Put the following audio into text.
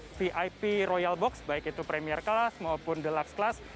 dan juga para pembalap dari box box baik itu premier class maupun deluxe class